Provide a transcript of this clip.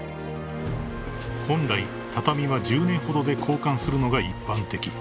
［本来畳は１０年ほどで交換するのが一般的］